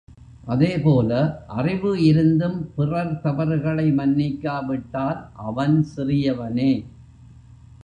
அதேபோல அறிவுஇருந்தும் பிறர் தவறுகளை மன்னிக்காவிட்டால் அவன் சிறியவனே.